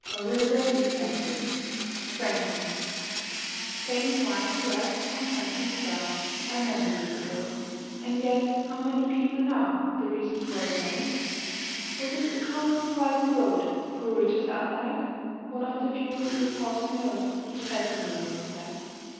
FRANKLIN Fame twined a wreath on Franklin's brow A many years ago And yet, how many people now The reason for it know? Was it because he wisely wrote Poor Richard's Almanac (One of the few, we pause to note, Which testimonials lack)?